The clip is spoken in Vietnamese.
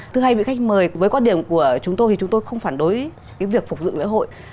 thứ hai vị khách mời với quan điểm của chúng tôi thì chúng tôi không phản đối cái việc phục dựng lễ hội